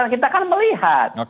kita kan melihat